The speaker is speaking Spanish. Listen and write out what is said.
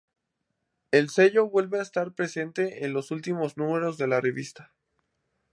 El sello vuelve a estar presente en los últimos números de la revista.